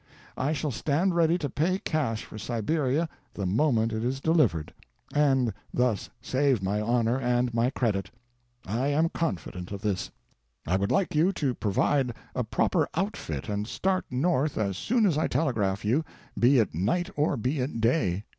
I shall stand ready to pay cash for Siberia the moment it is delivered, and thus save my honor and my credit. I am confident of this. I would like you to provide a proper outfit and start north as soon as I telegraph you, be it night or be it day.